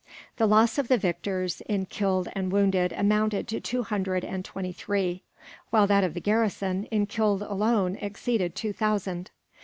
The loss of the victors, in killed and wounded, amounted to two hundred and twenty three; while that of the garrison, in killed alone, exceeded two thousand.